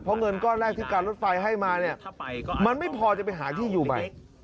เพราะเงินก้อนแรกที่การรถไฟให้มาเนี่ยมันไม่พอจะไปหาที่อยู่ใหม่